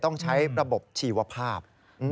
ต้องใช้ระบบชีวภาพ